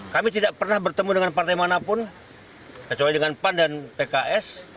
kami tidak pernah bertemu dengan partai manapun kecuali dengan pan dan pks